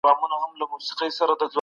زه په لاري کي د ژوند په اړه فکر کوم.